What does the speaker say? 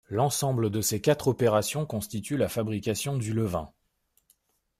L'ensemble de ces quatre opérations constitue la fabrication du levain.